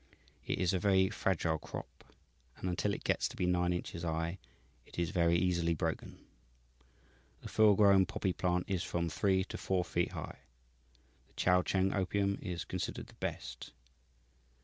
"It is a very fragile crop, and until it gets to be nine inches high it is very easily broken. The full grown poppy plant is from three to four feet high. The Chao Cheng opium is considered the best.